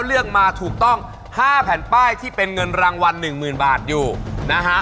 เลือกมาถูกต้อง๕แผ่นป้ายที่เป็นเงินรางวัล๑๐๐๐บาทอยู่นะฮะ